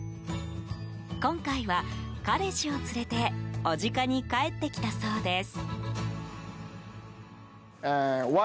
今回は、彼氏を連れて小値賀に帰ってきたそうです。